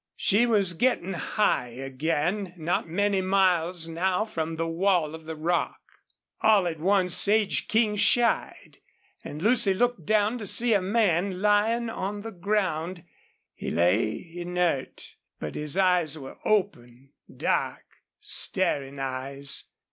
She was getting high again, not many miles now from the wall of rock. All at once Sage King shied, and Lucy looked down to see a man lying on the ground. He lay inert. But his eyes were open dark, staring eyes.